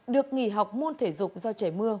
được nghỉ học môn thể dục do trẻ mưa